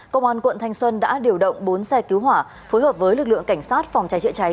công an quận thanh xuân đã điều động bốn xe cứu hỏa phối hợp với lực lượng cảnh sát phòng cháy chữa cháy